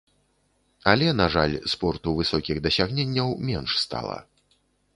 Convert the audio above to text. Але, на жаль, спорту высокіх дасягненняў менш стала.